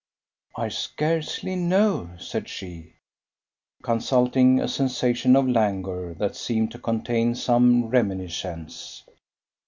"I scarcely know," said she, consulting a sensation of languor that seemed to contain some reminiscence.